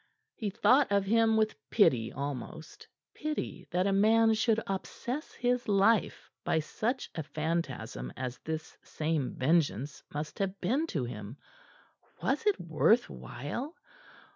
He thought of him with pity almost; pity that a man should obsess his life by such a phantasm as this same vengeance must have been to him. Was it worth while?